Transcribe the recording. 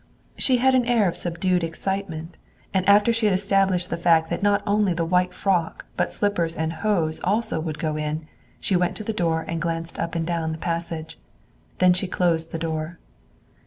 She had an air of subdued excitement, and after she had established the fact that not only the white frock but slippers and hose also would go in she went to the door and glanced up and down the passage. Then she closed the door.